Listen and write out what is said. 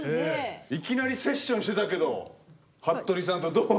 いきなりセッションしてたけどはっとりさんとどう？